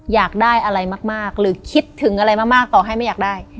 อยากได้อะไรมากหรือคิดถึงอะไรมากต่อให้ไม่อยากได้